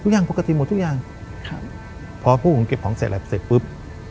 อย่างปกติหมดทุกอย่างครับพอพวกผมเก็บของเสร็จแล้วเสร็จปุ๊บ